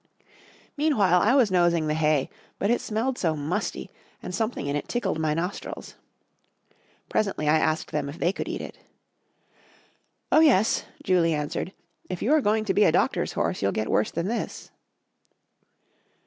Meanwhile, I was nosing the hay, but it smelled so musty and something in it tickled my nostrils. Presently I asked them if they could eat it. "Oh, yes," Julie answered, "if you are going to be a doctor's horse you'll get worse than this."